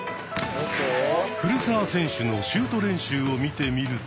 古澤選手のシュート練習を見てみると。